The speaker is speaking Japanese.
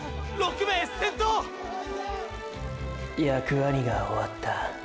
役割が終わった。